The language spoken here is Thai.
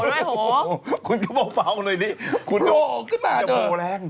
โหต้องโหด้วยโหคุณกระโหลเบาเลยดิโหขึ้นมาเดิมแกโหแรง